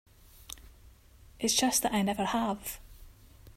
It's just that I never have.